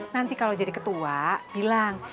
nanti kalau jadi ketua bilang